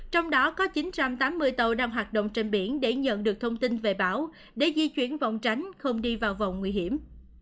trong đó có chín trăm tám mươi tàu đang hoạt động trên biển để nhận được thông tin về bão để di chuyển vòng tránh không đi vào vòng nguy hiểm